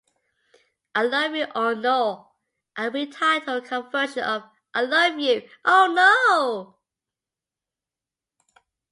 "I Love You, Ono",-a re-titled cover version of "I Love You, Oh No!